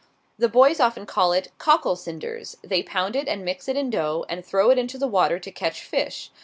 The boys often call it "cockle cinders;" they pound it and mix it in dough, and throw it into the water to catch fish.